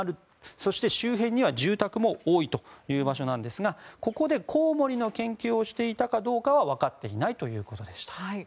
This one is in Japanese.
そして周辺には住宅も多いという場所なんですがここでコウモリの研究をしていたかどうかは分かっていないということでした。